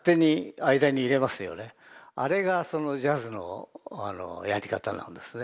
あれがそのジャズのやり方なんですね。